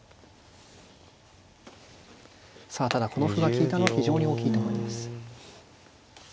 さあただこの歩が利いたのは非常に大きいと思います。